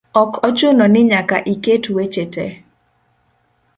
ok ochuno ni nyaka iket weche te.